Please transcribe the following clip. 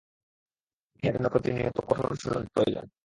ইহার জন্য প্রতিনিয়ত কঠোর অনুশীলন প্রয়োজন।